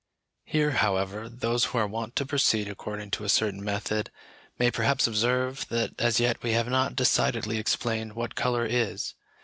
Here, however, those who are wont to proceed according to a certain method, may perhaps observe that as yet we have not decidedly explained what colour is.